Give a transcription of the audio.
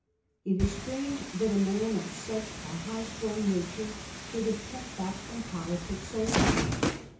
It is strange that a man of such a high strung nature should have kept back from politics so long.